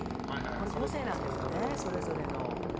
これ、個性なんですよねそれぞれの。